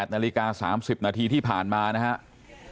นาฬิกา๓๐นาทีที่ผ่านมานะครับ